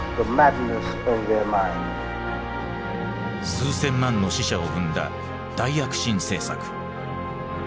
数千万の死者を生んだ「大躍進政策」。